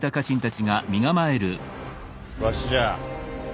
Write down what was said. わしじゃ。